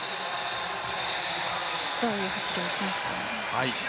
どういう走りをしますかね。